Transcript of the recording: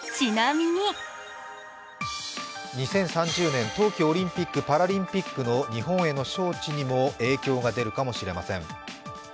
２０３０年、冬季オリンピック・パラリンピックの日本への招致にも影響が出るかもしれません。